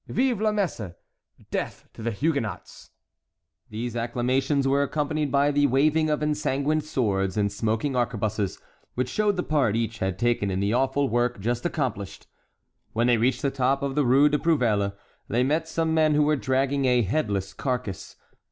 "Vive la Messe." "Death to the Huguenots!" These acclamations were accompanied by the waving of ensanguined swords and smoking arquebuses, which showed the part each had taken in the awful work just accomplished. When they reached the top of the Rue des Prouvelles they met some men who were dragging a headless carcass.